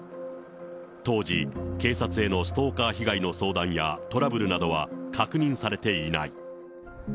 当時、警察へのストーカー被害の相談やトラブルなどは確認されていない。